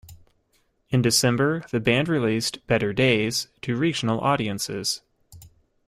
In December the band released "Better Days" to regional audiences.